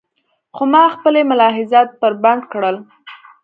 خو ما خپلې ملاحظات بربنډ کړل.